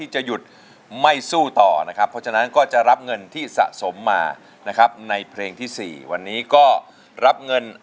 ใช้หรือไม่ใช้ครับ